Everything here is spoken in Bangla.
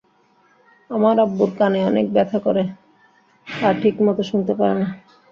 আমার আব্বুর কানে অনেক ব্যথা করে আর ঠিকমত শুনতে পারে না।